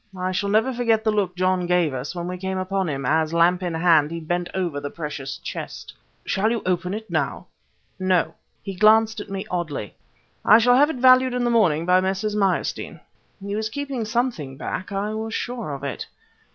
I shall never forget the look John gave us when we came upon him, as, lamp in hand, he bent over the precious chest." "Shall you open it now?" "No." He glanced at me oddly. "I shall have it valued in the morning by Messrs. Meyerstein." He was keeping something back; I was sure of it.